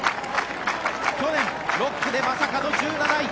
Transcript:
去年、６区でまさかの１７位。